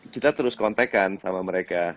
kita terus kontekan sama mereka